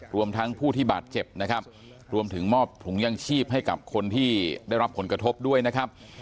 รวมทั้งผู้ที่บาดเจ็บนะครับรวมถึงมอบถุงยังชีพให้กับคนที่ได้รับผลกระทบด้วยนะครับ